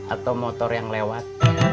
atau motor yang lewat